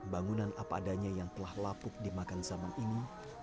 bangunan apa adanya yang telah lapuk dimakan zaman ini